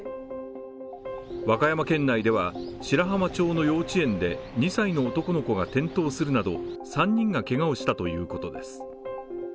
和歌山県内では白浜町の幼稚園で２歳の男の子が転倒するなど３人がけがをしたということです。